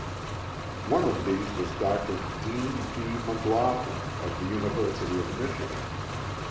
One of these was Dr. Dean B. McLaughlin, of the University of Michigan.